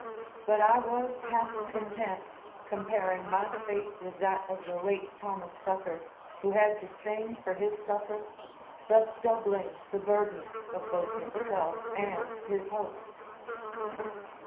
But I was half content, comparing my fate with that of the late Thomas Tucker, who had to sing for his supper, thus doubling the burdens of both himself and his host.